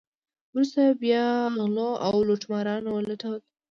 وروسته بیا غلو او لوټمارانو ولوټله.